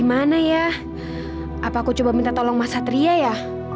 apa aku coba minta tolong mas satria ya